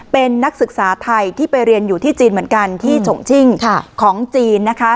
เป็นนักศึกษาไทยที่ไปเรียนอยู่ที่จีนเหมือนกันที่ฉงชิ่งของจีนนะคะ